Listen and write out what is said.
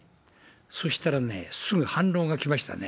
そしたらね、すぐ反論が来ましたね。